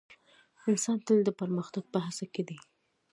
انسان تل د پرمختګ په هڅه کې دی.